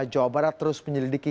jawa barat terus menyelidiki